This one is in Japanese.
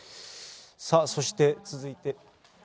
そして続いて。